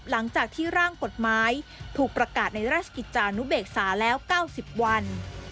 หลังจากที่ร่างกฎหมายถูกประกาศในราชกิจจานุเบกษาแล้ว๙๐วัน